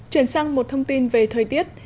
chuyển sang một thông tin về thời tiết